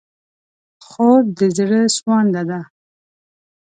خور د زړه سوانده ده.